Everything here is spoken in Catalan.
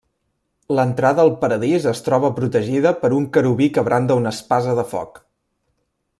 L'entrada al Paradís es troba protegida per un querubí que branda una espasa de foc.